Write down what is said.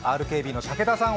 ＲＫＢの武田さん